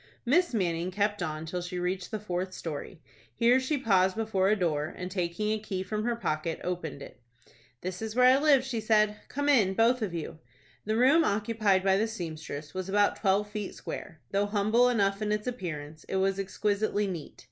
Miss Manning kept on till she reached the fourth story. Here she paused before a door, and, taking a key from her pocket, opened it. "This is where I live," she said. "Come in, both of you." The room occupied by the seamstress was about twelve feet square. Though humble enough in its appearance, it was exquisitely neat.